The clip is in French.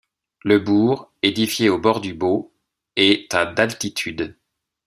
Le bourg, édifié au bord du Beau, est à d'altitude.